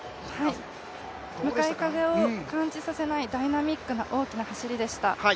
向かい風を感じさせないダイナミックな大きな走りでした。